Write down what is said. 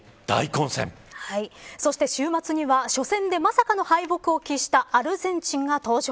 そして週末には初戦でまさかの敗北を喫したアルゼンチンが登場。